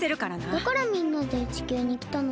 だからみんなで地球にきたのか。